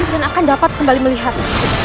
dan akan dapat kembali melihat